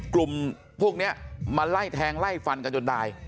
กลุ่มพวกนี้มาไล่แทงไล่ฟันกันจนตาย